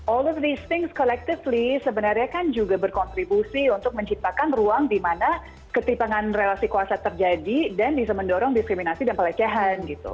all of disting collectively sebenarnya kan juga berkontribusi untuk menciptakan ruang di mana ketipangan relasi kuasa terjadi dan bisa mendorong diskriminasi dan pelecehan gitu